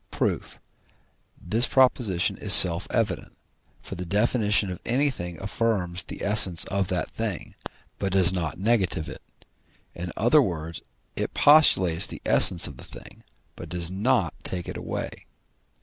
Proof. This proposition is self evident, for the definition of anything affirms the essence of that thing, but does not negative it; in other words, it postulates the essence of the thing, but does not take it away.